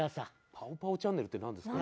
『パオパオチャンネル』ってなんですか？